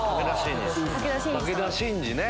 武田真治ね。